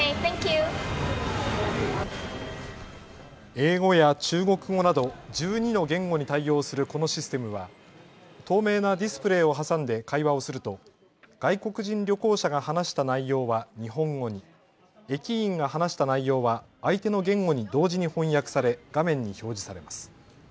英語や中国語など１２の言語に対応するこのシステムは透明なディスプレーを挟んで会話をすると外国人旅行者が話した内容は日本語に、駅員が話した内容は相手の言語に同時に翻訳され画面に表示されます。